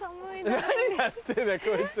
何やってんだこいつら。